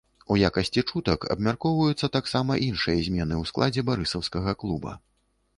У якасці чутак абмяркоўваюцца таксама іншыя змены ў складзе барысаўскага клуба.